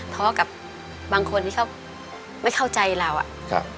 ท้อกับบางคนที่เขาไม่เข้าใจเราอะ